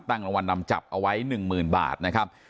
รางวัลนำจับเอาไว้๑๐๐๐บาทนะครับ